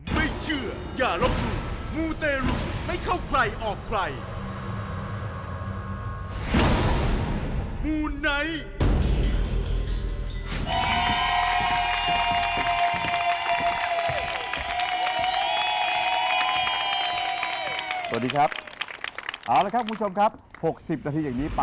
มูไนท์